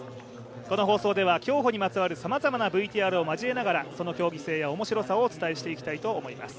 この放送では競歩にまつわるさまざまなＶＴＲを交えながらその競技性や面白さを伝えていきたいと思います。